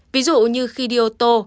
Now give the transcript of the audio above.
ví dụ như khi đi ô tô